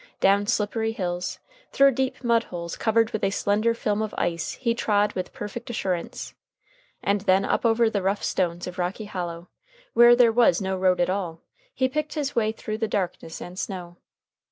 Down slippery hills, through deep mud holes covered with a slender film of ice he trod with perfect assurance. And then up over the rough stones of Rocky Hollow, where there was no road at all, he picked his way through the darkness and snow.